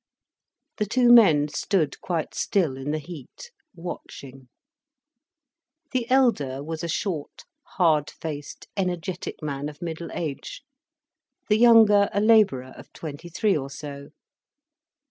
The two men stood quite still in the heat, watching. The elder was a short, hard faced energetic man of middle age, the younger a labourer of twenty three or so.